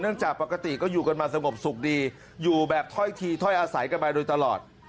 จากปกติก็อยู่กันมาสงบสุขดีอยู่แบบถ้อยทีถ้อยอาศัยกันมาโดยตลอด